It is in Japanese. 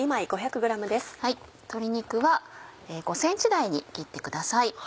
鶏肉は５ｃｍ大に切ってください。